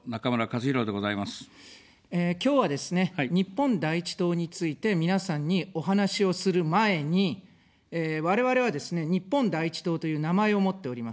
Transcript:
今日はですね、日本第一党について皆さんにお話をする前に、我々はですね、日本第一党という名前を持っております。